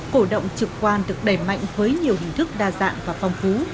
cổ động trực quan được đẩy mạnh với nhiều hình thức đa dạng và phong phú